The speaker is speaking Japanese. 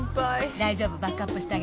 大丈夫。バックアップしてあげるから。